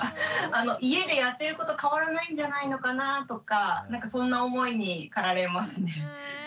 家でやってること変わらないんじゃないのかなあとかそんな思いにかられますね。